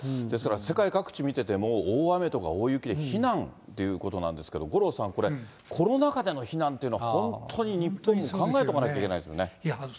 ですから、世界各地見てても、大雨とか大雪で避難っていうことなんですけど、五郎さん、これ、コロナ禍での避難というのは、本当に日本も考えとかなきゃいけないですよね。